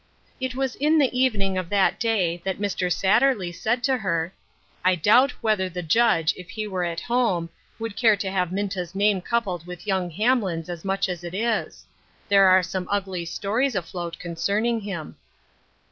It was in the evening of that day that Mr. Satterley said to her :" I doubt whether the Judge, if he were at home, would care to have Minta's name coupled with young Hamlin's as much as it is ; there are some ugly stories afloat concerning him."